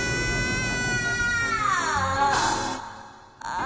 ああ！